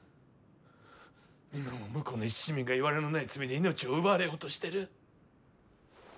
今も無辜の一市民がいわれのない罪で命を奪われようとしてる。